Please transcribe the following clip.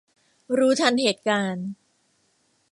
รู้ทันเหตุการณ์